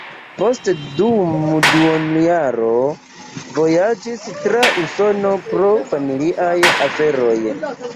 Poste dum duonjaro vojaĝis tra Usono pro familiaj aferoj.